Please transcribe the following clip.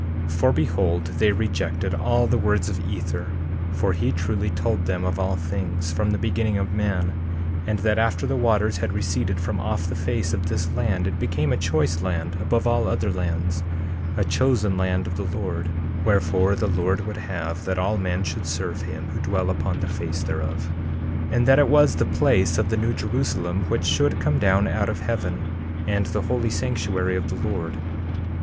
13:2 For behold, they rejected all the words of Ether; for he truly told them of all things, from the beginning of man; and that after the waters had receded from off the face of this land it became a choice land above all other lands, a chosen land of the Lord; wherefore the Lord would have that all men should serve him who dwell upon the face thereof; 13:3 And that it was the place of the New Jerusalem, which should come down out of heaven, and the holy sanctuary of the Lord.